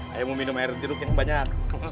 saya mau minum air jeruk yang banyak